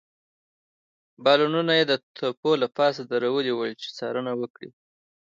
بالونونه يې د تپو له پاسه درولي ول، چې څارنه وکړي.